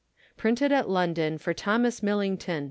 Printed at London for Thomas Millington.